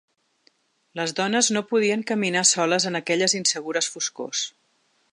Les dones no podien caminar soles en aquelles insegures foscors.